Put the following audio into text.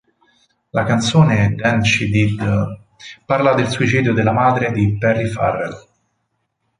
La canzone "Then She Did..." parla del suicidio della madre di Perry Farrell.